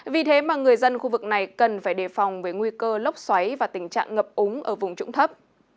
vì thế mà người dân khu vực này cần phải đề phòng với nguy cơ lốc xoáy và tình trạng ngập úng ở vùng trũng thấp